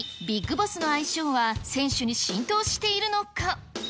ちなみに、ビッグボスの愛称は、選手に浸透しているのか。